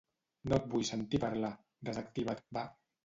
No et vull sentir parlar; desactiva't, va.